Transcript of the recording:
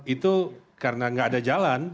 itu karena nggak ada jalan